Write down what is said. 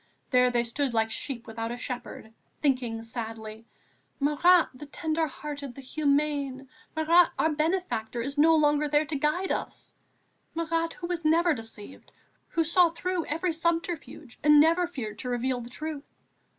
There they stood like sheep without a shepherd, thinking sadly: "Marat, the tender hearted, the humane, Marat our benefactor, is no longer there to guide us, Marat who was never deceived, who saw through every subterfuge and never feared to reveal the truth!...